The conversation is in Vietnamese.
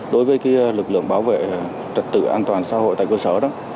đối với lực lượng bảo vệ trật tự an toàn xã hội tại cơ sở đó